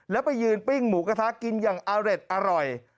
แล้วไปยืนปิ้งหมูกระทะกินอย่างอร่อย